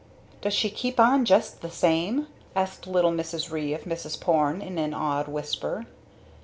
"Does she keep on just the same?" asked little Mrs. Ree of Mrs. Porne in an awed whisper.